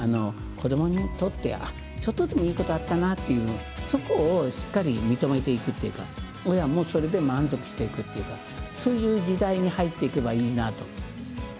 子どもにとってちょっとでもいいことあったなっていうそこをしっかり認めていくというか親もそれで満足していくっていうかそういう時代に入っていけばいいなと。